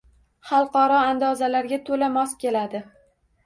Xalqaro andozalarga to‘la mos keladi.